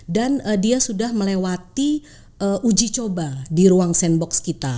dan dia sudah melewati uji coba di ruang sandbox kita